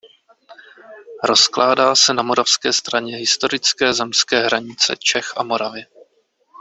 Rozkládá se na moravské straně historické zemské hranice Čech a Moravy.